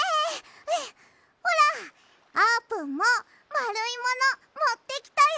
ふうほらあーぷんもまるいものもってきたよ！